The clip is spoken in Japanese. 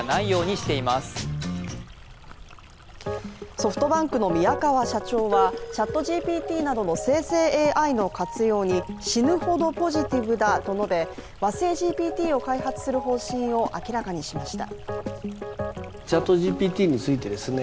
ソフトバンクの宮川社長はＣｈａｔＧＰＴなどの生成ＡＩの活用に死ぬほどポジティブだと述べ和製ＧＰＴを開発する方針を明らかにしました。